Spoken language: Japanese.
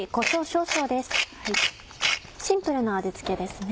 シンプルな味付けですね。